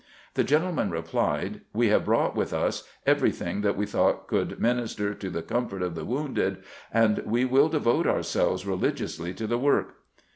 The gentlemen replied :" We have brought with us everything that we thought could minister to the com fort of the wounded, and we will devote ourselves re ligiously to the work."